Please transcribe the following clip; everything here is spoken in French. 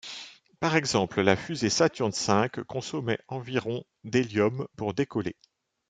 Par exemple, la fusée Saturn V consommait environ d'hélium pour décoller.